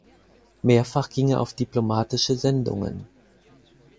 Mehrfach ging er auf diplomatische Sendungen.